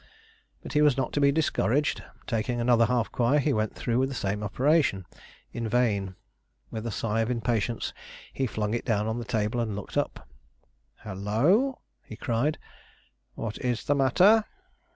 But he was not to be discouraged. Taking another half quire, he went through with the same operation; in vain. With a sigh of impatience he flung it down on the table and looked up. "Halloo!" he cried, "what is the matter?"